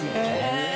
へえ！